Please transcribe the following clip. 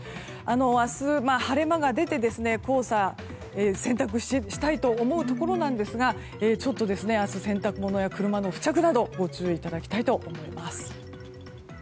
明日、晴れ間が出て洗濯したいと思うところなんですがちょっと明日、洗濯物や車への付着などご注意いただきたいと思います。